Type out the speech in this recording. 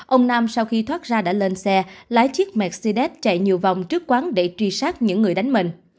ông nam sau khi thoát ra đã lên xe lái chiếc mercedes chạy nhiều vòng trước quán để truy sát những người đánh mình